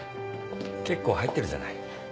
結構入ってるじゃない。